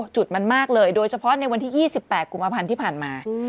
จุดมันมากเลยโดยเฉพาะในวันที่๒๘กุมภาพันธ์ที่ผ่านมา